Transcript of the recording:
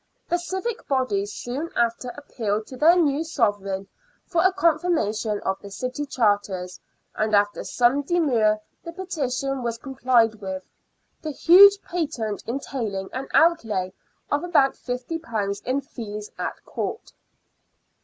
The civic body soon after appealed to their new Sovereign for a confirmation of the city charters, and after some demur the petition was complied with, the huge patent entailing an outlay of about £50 in fees at Court.